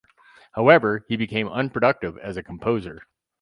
However, he became unproductive as a composer.